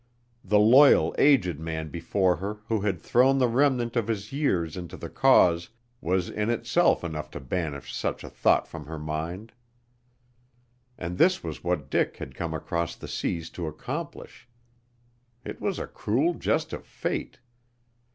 The loyal, aged man before her who had thrown the remnant of his years into the cause was in itself enough to banish such a thought from her mind. And this was what Dick had come across the seas to accomplish. It was a cruel jest of Fate.